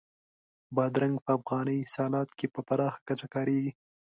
بادرنګ په افغاني سالاد کې په پراخه کچه کارېږي.